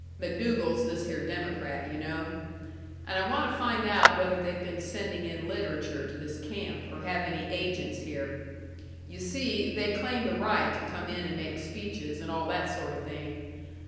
(MacDougall's this here Democrat, you know.) And I want to find out whether they've been sending in literature to this camp, or have any agents here. You see, they claim the right to come in and make speeches, and all that sort of thing.